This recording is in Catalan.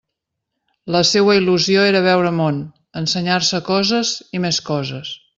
La seua il·lusió era veure món, ensenyar-se coses i més coses.